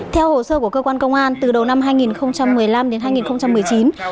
theo hồ sơ của cơ quan công an từ đầu năm hai nghìn một mươi năm đến hai nghìn một mươi chín